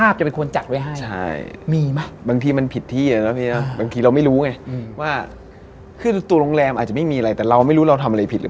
ประวังพยายามไม่ให้รถ